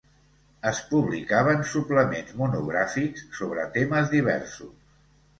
Es publicaven suplements monogràfics sobre temes diversos.